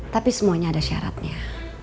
tapi semuanya ada syaratnya